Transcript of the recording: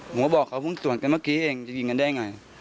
ผมก็บอกเขาเพิ่งสวนกันเมื่อกี้เองจะยิงกันได้ไง